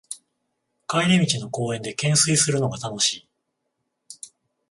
帰り道の公園でけんすいするのが楽しい